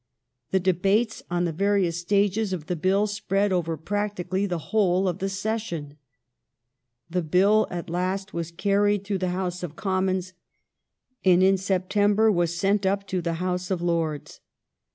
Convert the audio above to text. The debates on the various stages of the Bill spread over practically the whole of the session. The Bill at last was carried through the House of Commons, and in September was sent up to the House of Lords.